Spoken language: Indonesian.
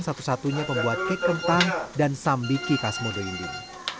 satu satunya pembuat kek kentang dan sambiki khas modo inding